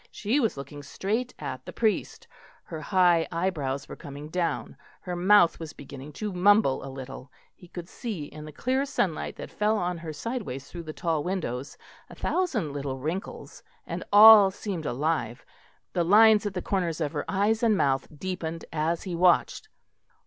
She was looking straight at the priest; her high eyebrows were coming down; her mouth was beginning to mumble a little; he could see in the clear sunlight that fell on her sideways through the tall window a thousand little wrinkles, and all seemed alive; the lines at the corners of her eyes and mouth deepened as he watched.